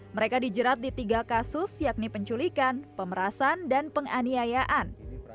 mereka dijerat di tiga kasus yakni penculikan pemerasan dan penganiayaan